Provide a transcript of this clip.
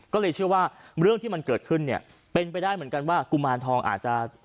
ก็เลยเชื่อว่าเรื่องที่มันเกิดขึ้นเนี่ยเป็นไปได้เหมือนกันดูแลเขาด้วย